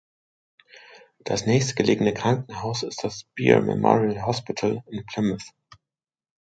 Das nächstgelegene Krankenhaus ist das Speare Memorial Hospital in Plymouth.